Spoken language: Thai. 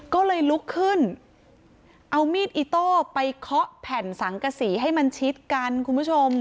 ก็เลยลุกขึ้นเอามีดอิโต้ไปเคาะแผ่นสังกษีให้มันชิดกันคุณผู้ชม